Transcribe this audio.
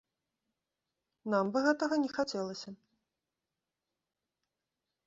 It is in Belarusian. Нам бы гэтага не хацелася.